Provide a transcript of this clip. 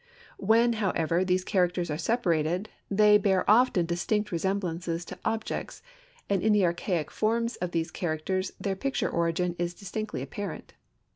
When, however, these characters are separated, they bear often distinct resemblance to objects, and in the archaic forms of these characters their picture origin is distinctly apparent.